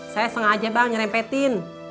saya sengaja bang nyerempetin